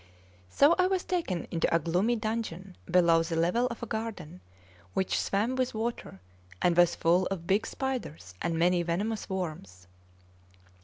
So I was taken into a gloomy dungeon below the level of a garden, which swam with water, and was full of big spiders and many venomous worms.